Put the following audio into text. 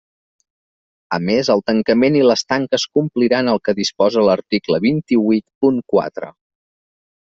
A més el tancament i les tanques compliran el que disposa l'article vint-i-huit punt quatre.